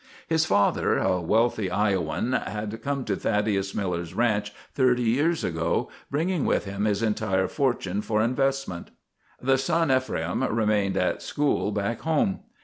His father, a wealthy Iowan, had come to Thaddeus Miller's ranch thirty years ago, bringing with him his entire fortune for investment. The son Ephraim remained at school back home.